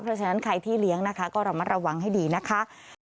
เพราะฉะนั้นใครที่เลี้ยงนะคะก็ระมัดระวังให้ดีนะคะ